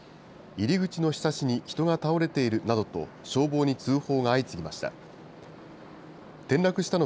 入り口のひさしに人が倒れているなどと消防に通報が相次ぎました。